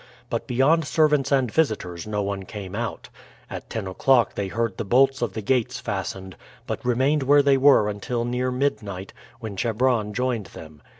But beyond servants and visitors no one came out. At ten o'clock they heard the bolts of the gates fastened, but remained where they were until near midnight, when Chebron joined them.